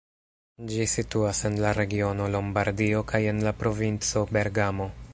Ĝi situas en la regiono Lombardio kaj en la provinco Bergamo.